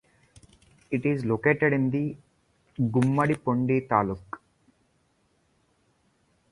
It is located in the Gummidipoondi taluk.